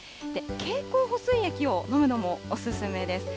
経口補水液を飲むのもお勧めです。